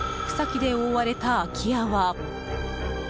草木で覆われた空き家は。